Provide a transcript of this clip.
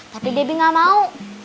tapi debbie nggak mau